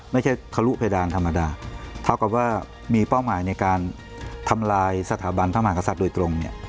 ทะลุเพดานธรรมดาเท่ากับว่ามีเป้าหมายในการทำลายสถาบันพระมหากษัตริย์โดยตรงเนี่ย